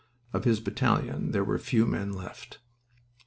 Of his battalion there were few men left.